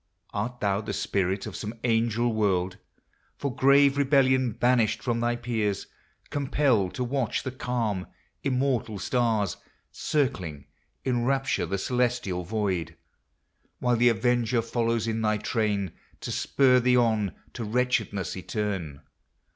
Art thou the Spirit of some Angel World, For grave rebellion banished from thy peers, Compelled to watch the calm, immortal stars MYTHICAL: LEGENDARY. 89 Circling in rapture the celestial void, While the avenger follows in thy train To spur thee on to wretchedness eterne